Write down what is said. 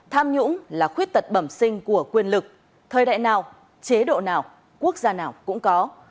tham nhũng là khuyết tật bẩm sinh của quyền lực thời đại nào chế độ nào quốc gia nào cũng có